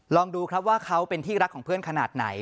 ลองดูครับว่าเขาเป็นที่รักของเพื่อนขนาดไหน